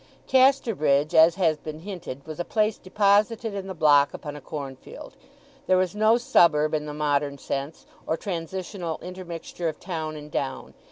Casterbridge, as has been hinted, was a place deposited in the block upon a corn field. There was no suburb in the modern sense, or transitional intermixture of town and down.